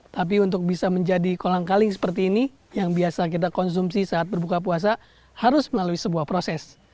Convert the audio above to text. tapi untuk bisa menjadi kolang kaling seperti ini yang biasa kita konsumsi saat berbuka puasa harus melalui sebuah proses